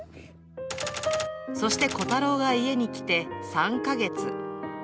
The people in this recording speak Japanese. そしてコタローが家に来て３か月。